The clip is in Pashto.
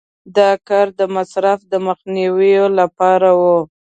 دا کار د مصرف د مخنیوي لپاره و.